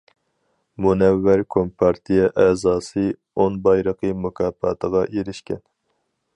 « مۇنەۋۋەر كومپارتىيە ئەزاسى ئون بايرىقى» مۇكاپاتىغا ئېرىشكەن.